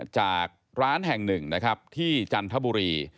จากร้านแห่งหนึ่งนะครับที่จันทบุรี